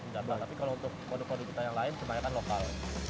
tapi kalau untuk kode kode kita yang lain sebenarnya kan lokal